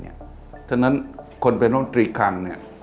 ฉะนั้นคนเป็นน้องมันตรีครัง